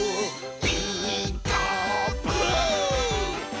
「ピーカーブ！」